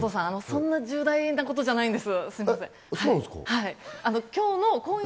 そんな重大なことではないんです。